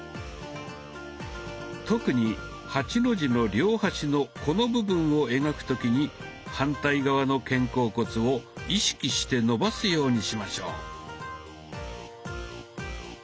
特に８の字の両端のこの部分を描く時に反対側の肩甲骨を意識して伸ばすようにしましょう。